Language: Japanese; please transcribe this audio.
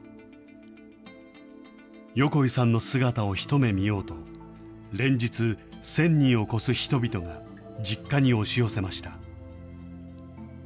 横井さんの姿を一目見ようと、連日、１０００人を超す人々が実家に押し寄せました。